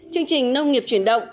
chương trình nông nghiệp chuyển động